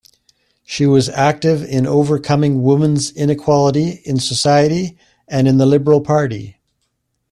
She was active in overcoming women's inequality in society and in the Liberal party.